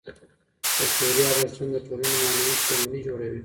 کلتوري ارزښتونه د ټولني معنوي شتمني جوړوي.